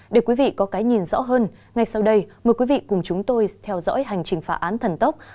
để quý vị có cái nhìn rõ hơn ngay sau đây mời quý vị cùng chúng tôi theo dõi hành trình phá án thần tốc